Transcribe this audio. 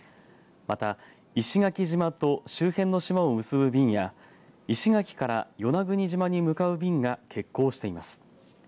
また石垣島と周辺の島を結ぶ便は石垣から与那国島に向かう便が欠航しています。